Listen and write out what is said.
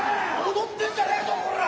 踊ってんじゃねえぞこら！